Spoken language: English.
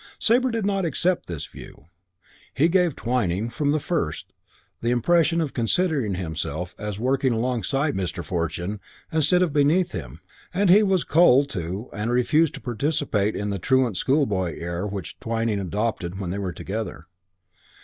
Sabre did not accept this view. He gave Twyning, from the first, the impression of considering himself as working alongside Mr. Fortune instead of beneath him; and he was cold to and refused to participate in the truant schoolboy air which Twyning adopted when they were together.